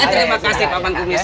terima kasih pak man kumis